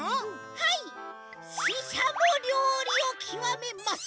はいししゃもりょうりをきわめます！